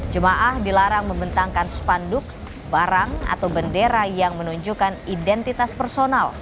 jemaah dilarang membentangkan spanduk barang atau bendera yang menunjukkan identitas personal